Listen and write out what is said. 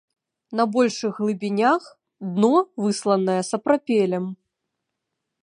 На большых глыбінях дно высланае сапрапелем.